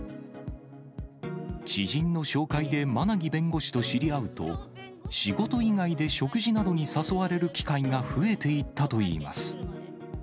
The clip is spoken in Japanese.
知人の紹介で馬奈木弁護士と知り合うと、仕事以外で食事などに誘われる機会が増えていったといいます。